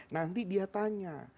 nanti dia tanya